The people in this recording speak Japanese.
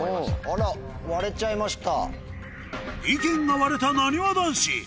あら割れちゃいました。